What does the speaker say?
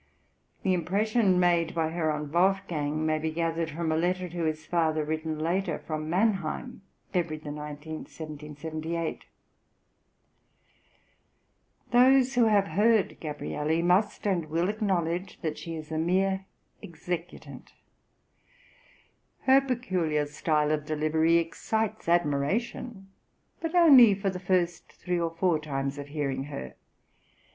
The impression made by her on Wolfgang may be gathered from a letter to his father written later from Mannheim (February 19, 1778): Those who have heard Gabrielli must and will acknowledge that she is a mere executant; her peculiar style of delivery excites admiration, but only for the first three or four times of hearing her.